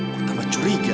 gue tambah curiga